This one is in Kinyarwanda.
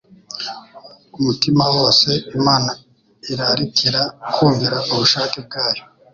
Umutima wose Imana irarikira kumvira ubushake bwayo,